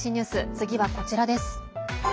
次はこちらです。